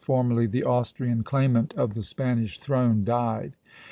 formerly the Austrian claimant of the Spanish throne, died.